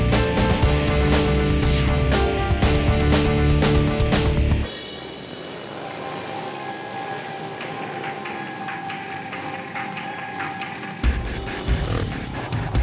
kita pasti jangan anak mentek